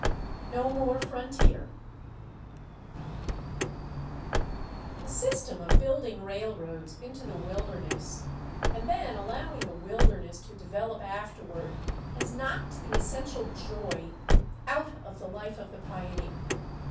No More Frontier. The system of building railroads into the wilderness, and then allowing the wilderness to develop afterward, has knocked the essential joy out of the life of the pioneer.